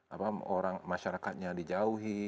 apa orang masyarakatnya dijauhi